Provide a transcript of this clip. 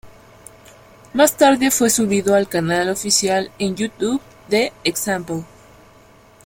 Más tarde fue subido al canal oficial en YouTube de Example.